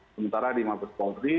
sementara di mabes polri